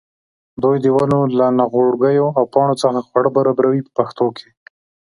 دوی د ونو له نغوړګیو او پاڼو څخه خواړه برابروي په پښتو کې.